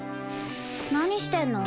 何してんの？